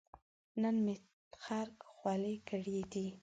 نن مې تخرګ خولې کړې دي